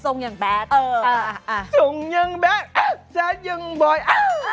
สงแย้งแบทเอออ่าสงแย้งแบสแซทยังบ่อยอถ